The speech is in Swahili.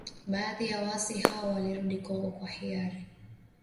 Baadhi ya waasi hao walirudi Kongo kwa hiari